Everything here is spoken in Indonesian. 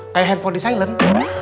kayak handphone di silent